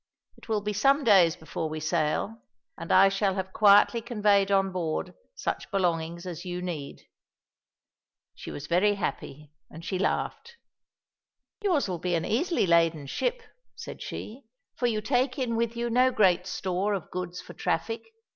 It will be some days before we sail, and I shall have quietly conveyed on board such belongings as you need." She was very happy, and she laughed. "Yours will be an easily laden ship," said she, "for you take in with you no great store of goods for traffic.